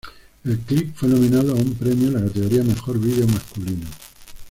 El clip fue nominado a un premio en la categoría Mejor video masculino.